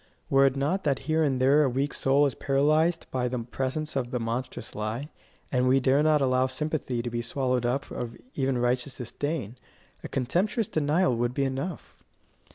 Were it not that here and there a weak soul is paralysed by the presence of the monstrous lie, and we dare not allow sympathy to be swallowed up of even righteous disdain, a contemptuous denial would be enough.